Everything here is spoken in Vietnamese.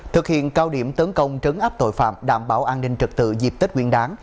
thực hiện cao điểm tấn công trấn áp tội phạm đảm bảo an ninh trật tự dịp tết nguyên đáng